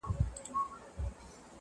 ما یي سرونه تر عزت جارول-